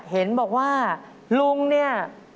เห็นบอกว่าลุงเนี่ย